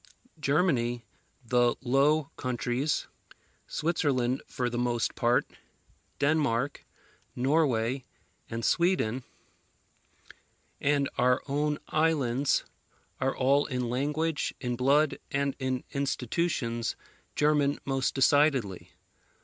Germany, the Low Countries, Switzerland for the most part, Denmark, Norway, and Sweden, and our own islands, are all in language, in blood, and in institutions, German most decidedly.